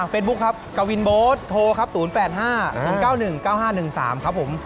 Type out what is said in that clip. บุ๊คครับกวินโบ๊ทโทรครับ๐๘๕๐๙๑๙๕๑๓ครับผม